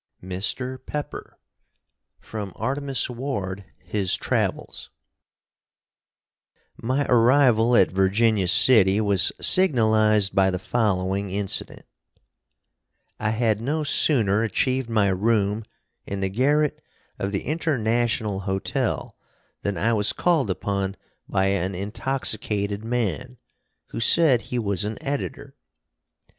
MR. PEPPER From 'Artemus Ward: His Travels' My arrival at Virginia City was signalized by the following incident: I had no sooner achieved my room in the garret of the International Hotel than I was called upon by an intoxicated man, who said he was an Editor.